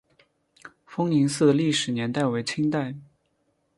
丰宁寺的历史年代为清代。